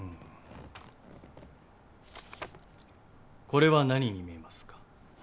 これは何に見えますか？